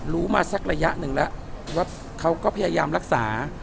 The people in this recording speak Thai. รู้มาสักระยะหนึ่งแล้วว่าเขาก็พยายามรักษา